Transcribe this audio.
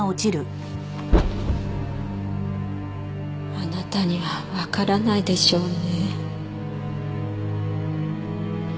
あなたにはわからないでしょうね。